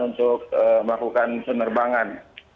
untuk melakukan penerbangan